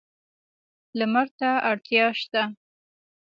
لمر ته اړتیا شته.